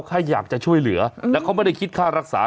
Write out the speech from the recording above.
แค่อยากจะช่วยเหลือแล้วเขาไม่ได้คิดค่ารักษา